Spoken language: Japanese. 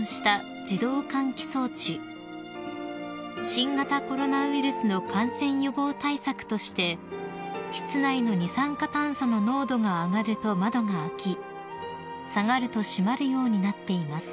［新型コロナウイルスの感染予防対策として室内の二酸化炭素の濃度が上がると窓が開き下がると閉まるようになっています］